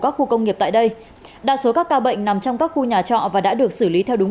các khu công nghiệp tại đây đa số các ca bệnh nằm trong các khu nhà trọ và đã được xử lý theo đúng